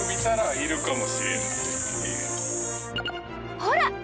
ほら！